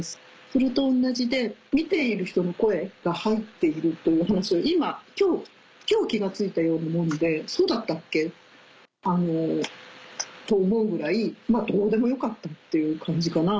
それと同じで見ている人の声が入っているという話を今今日気が付いたように思うんでそうだったっけ？と思うぐらいどうでもよかったという感じかな。